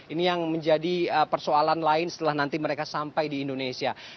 ini yang menjadi persoalan lain setelah nanti mereka sampai di indonesia